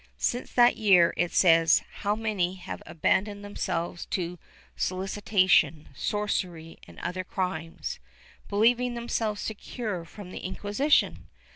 Since that year, it says, how many have abandoned themselves to solicita tion, sorcery and other crimes, believing themselves secure from the Inquisition!